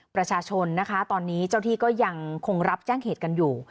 ประชาชนนะคะตอนนี้เจ้าที่ก็ยังคงรับแจ้งเหตุกันอยู่